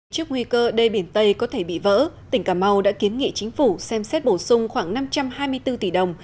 trước nguy cơ đê biển tây có thể bị vỡ tỉnh cà mau đã kiến nghị chính phủ xem xét bổ sung khoảng năm trăm hai mươi bốn tỷ đồng